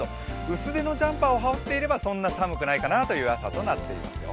薄手のジャンパーを羽織っていれば、そんな寒くないかなという朝になっています。